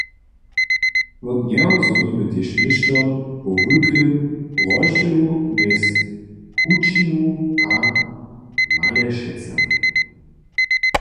Wot njeho zhonimy tež něšto wo wulkim rozdźělu mjez Hućinu a Malešecami.